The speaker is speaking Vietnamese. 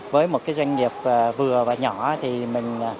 với một cái doanh nghiệp vừa và nhỏ thì mình